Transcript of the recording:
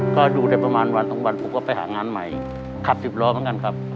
ก็ดูได้ประมาณวันตอนวันไปหางานใหม่ขับศิษย์รอบกันกันครับ